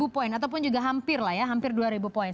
dua poin ataupun juga hampir dua poin